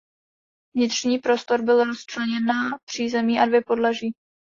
Vnitřní prostor byl rozčleněn na přízemí a dvě podlaží.